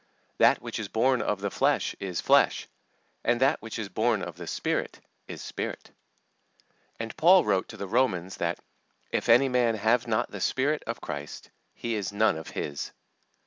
That which is born of the flesh is flesh; and that which is born of the Spirit is spirit." And Paul wrote to the Romans that, "If any man have not the Spirit of Christ, he is none of His."